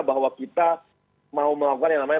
bahwa kita mau melakukan yang namanya